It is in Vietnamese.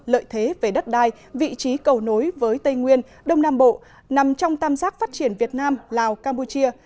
lợi thế về đất đai vị trí cầu nối với tây nguyên đông nam bộ nằm trong tam giác phát triển việt nam lào campuchia